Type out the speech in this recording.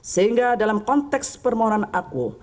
sehingga dalam konteks permohonan aku